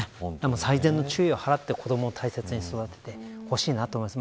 最善の注意を払って子どもを大切にしてほしいなと思います。